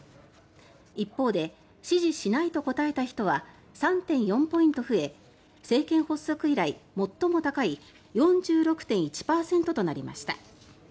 一方で、支持しないと答えた人は３．４ポイント増え政権発足以来最も高い４６．１％となりました。